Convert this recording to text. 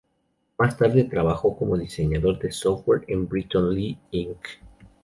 Más tarde trabajó como diseñador de software en Britton Lee, Inc..